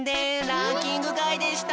ランキングがいでした。